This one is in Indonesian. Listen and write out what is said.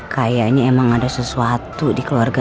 kayaknya emang ada sesuatu di keluarga